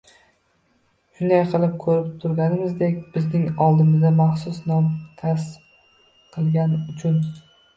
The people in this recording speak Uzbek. Shunday qilib, ko‘rib turganimizdek, bizning oldimizda maxsus nom kasb qilgani uchun